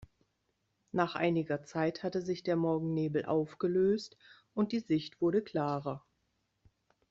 Nach einiger Zeit hatte sich der Morgennebel aufgelöst und die Sicht wurde klarer.